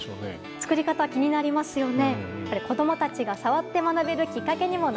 作り方、気になりますよね。